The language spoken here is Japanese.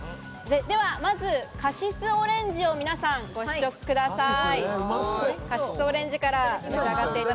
まずカシスオレンジを皆さんご試食ください。